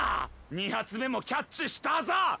２発目もキャッチしたぞーッ！